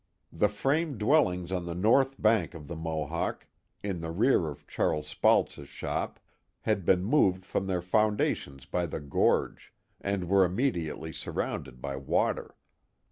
The frame dwellings on the north bank of the Mohawk, in the rear of Charles Spalt's shop, had been moved from their foundations by the gorge, and were immediately surrounded by water.